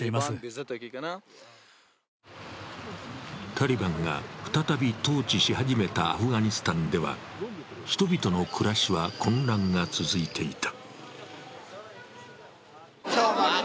タリバンが再び統治し始めたアフガニスタンでは人々の暮らしは混乱が続いていた。